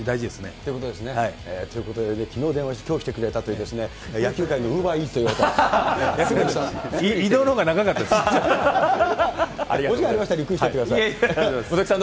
ということですね。ということでね、きのう電話して、きょう来てくれたという、野球界のウーバーイーツといわれた元木さん。